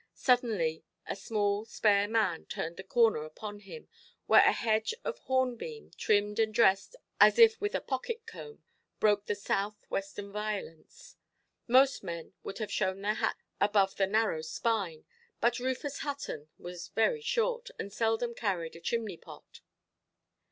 Suddenly a small, spare man turned the corner upon him, where a hedge of hornbeam, trimmed and dressed as if with a pocket–comb, broke the south–western violence. Most men would have shown their hats above the narrow spine, but Rufus Hutton was very short, and seldom carried a chimney–pot.